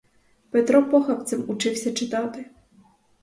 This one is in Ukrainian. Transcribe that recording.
Петро похапцем учився читати.